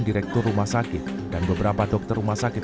direktur rumah sakit dan beberapa dokter rumah sakit